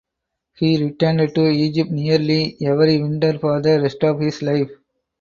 He returned to Egypt nearly every winter for the rest of his life.